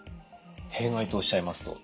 弊害とおっしゃいますと？